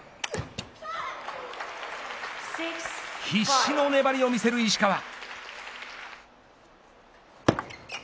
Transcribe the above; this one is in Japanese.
必死の粘りを見せる石川。